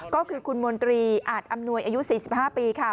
ก็คือคุณมนตรีอาจอำนวยอายุ๔๕ปีค่ะ